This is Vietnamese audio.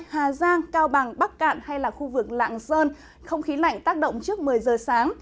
hà giang cao bằng bắc cạn hay là khu vực lạng sơn không khí lạnh tác động trước một mươi giờ sáng